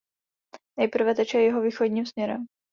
Nejprve teče jihovýchodním směrem.